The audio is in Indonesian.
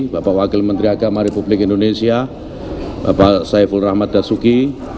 bapak wakil menteri agama republik indonesia bapak saiful rahmat dasuki